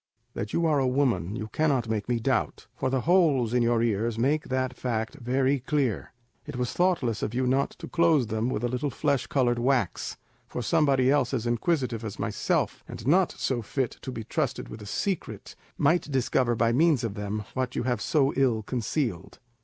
That you are a woman you cannot make me doubt, for the holes in your ears make that fact very clear. It was thoughtless of you not to close them with a little flesh coloured wax, for somebody else as inquisitive as myself, and not so fit to be trusted with a secret, might discover by means of them what you have so ill concealed.